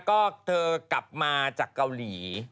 ก็เธอกลับมาจากเกาหลี